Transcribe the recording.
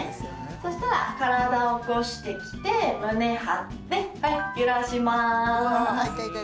そしたら体を起こしてきて胸張ってはい揺らします。